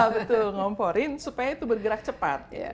betul betul ngomporin supaya itu bergerak cepat